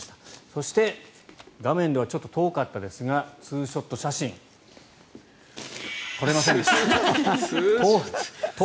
そして、画面ではちょっと遠かったですがツーショット写真これがそうです。